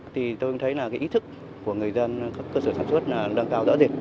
thì tôi thấy ý thức của người dân các cơ sở sản xuất đang cao rõ rệt